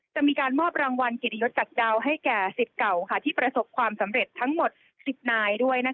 จะมีการมอบรางวัลเกียรติยศจากดาวให้แก่สิทธิ์เก่าที่ประสบความสำเร็จทั้งหมด๑๐นายด้วย